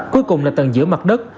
cuối cùng là tầng giữa mặt đất